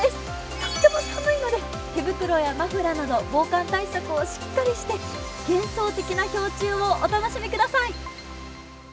とっても寒いので手袋やマフラーなど防寒対策をしっかりして幻想的な氷柱をお楽しみください。